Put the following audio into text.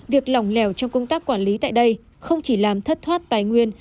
việc lỏng lẻo trong công tác quản lý tại đây không chỉ làm thất thoát tài nguyên